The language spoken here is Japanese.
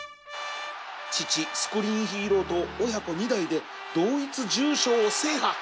父スクリーンヒーローと親子二代で同一重賞を制覇